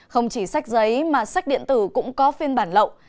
không chỉ sách giấy mà sách điện tử cũng có phiên bản lậu